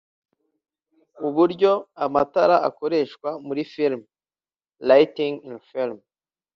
uburyo amatara akoreshwa muri film (Lighting in film)